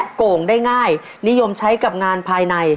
โก่งได้ง่ายนิยมใช้กับงานภายใน